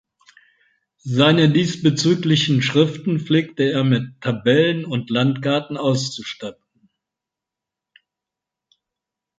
Seine diesbezüglichen Schriften pflegte er mit Tabellen und Landkarten auszustatten.